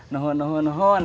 nuhun nuhun nuhun